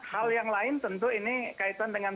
hal yang lain tentu ini kaitan dengan